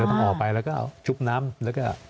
ต้องออกไปแล้วก็เอาชุบน้ำแล้วก็